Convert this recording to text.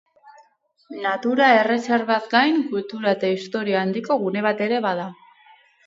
Natura-erreserbaz gain, kultura eta historia handiko gune bat ere bada.